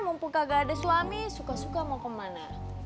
mumpung kagak ada suami suka suka mau ke mana